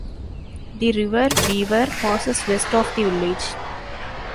The River Weaver passes west of the village.